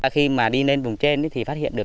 khi mà đi lên vùng trên thì phát hiện được